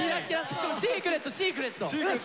しかもシークレットシークレット！